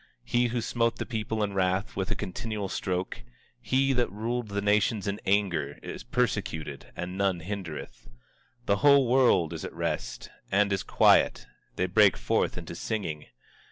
24:6 He who smote the people in wrath with a continual stroke, he that ruled the nations in anger, is persecuted, and none hindereth. 24:7 The whole earth is at rest, and is quiet; they break forth into singing.